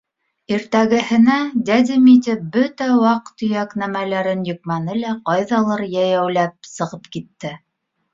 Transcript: Иртәгеһенә дядя Митя бөтә ваҡ-төйәк нәмәләрен йөкмәне лә ҡайҙалыр йәйәүләп сығып китте.